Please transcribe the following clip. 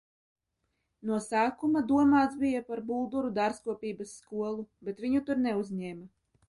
No sākuma domāts bija par Bulduru dārzkopības skolu, bet viņu tur neuzņēma.